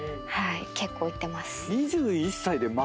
結構行ってます。